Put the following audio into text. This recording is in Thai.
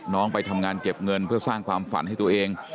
ไปทำงานเก็บเงินเพื่อสร้างความฝันให้ตัวเอง